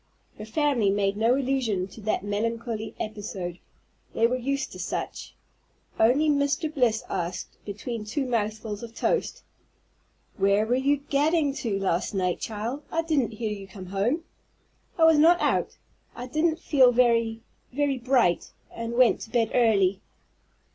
Her family made no allusion to that melancholy episode, they were used to such, only Mr. Bliss asked, between two mouthfuls of toast, "Where were you gadding to last night, child? I didn't hear you come home." "I was not out. I didn't feel very very bright, and went to bed early."